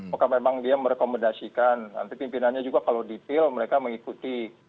maka memang dia merekomendasikan nanti pimpinannya juga kalau detail mereka mengikuti